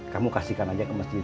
kamu kasihkan aja ke masjid